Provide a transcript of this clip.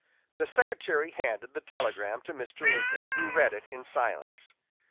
The Secretary handed the telegram to Mr. Lincoln, who read it in silence.